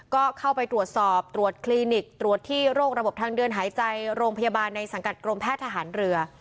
ก็เข้าไปตรวจสอบตรวจคลินิกตรวจที่โรคระบบทางเดินหายใจโรงพยาบาลในสังกัดกรมแพทย์ทหารเรือ